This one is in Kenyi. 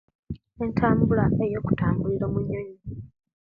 Eco ecibuzo tincitegera kusa